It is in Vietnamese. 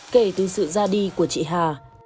kể từ sự ra đi của chị hà